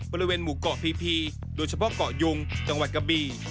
บริเวณหมู่เกาะพีพีโดยเฉพาะเกาะยุงจังหวัดกะบี่